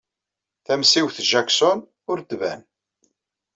Tamsiwt Jackson ur d-tban.